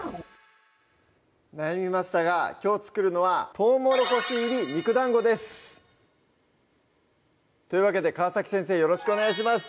悩みましたがきょう作るのは「とうもろこし入り肉団子」ですというわけで川先生よろしくお願いします